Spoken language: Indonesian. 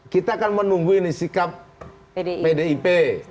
kita akan menunggu ini sikap pdip